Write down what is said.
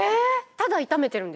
ただ炒めてる。